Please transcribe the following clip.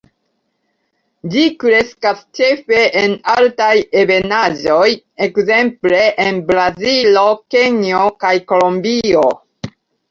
Ĝi kreskas ĉefe en altaj ebenaĵoj, ekzemple, en Brazilo, Kenjo kaj Kolombio.